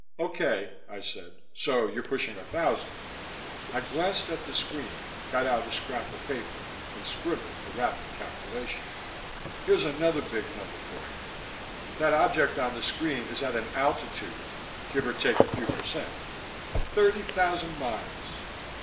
'" "Okay," I said. "So you're pushing a thousand." I glanced at the screen, got out a scrap of paper, and scribbled a rapid calculation. "Here's another big number for you. That object on the screen is at an altitude give or take a few percent of thirty thousand miles."